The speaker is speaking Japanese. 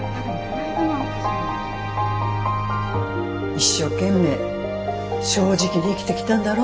一生懸命正直に生きてきたんだろ？